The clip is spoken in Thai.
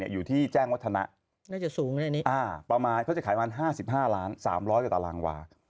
อยู่ที่แจ้งวัฒนะประมาณ๕๕ล้าน๓๐๐ตารางวา